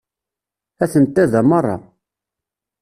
Atent-a da merra.